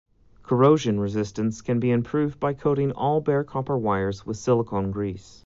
Corrosion resistance can be improved by coating all bare copper wires with silicone grease.